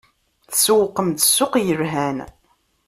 Tsewwqem-d ssuq yelhan.